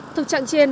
thực trạng chiến đấu